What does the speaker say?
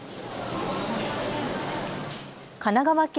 神奈川県